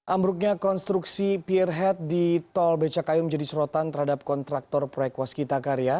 amruknya konstruksi pierhead di tol becakayu menjadi surotan terhadap kontraktor proyek waskita karya